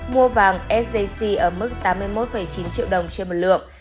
mua vàng sjc ở mức tám mươi một chín triệu đồng trên một lượng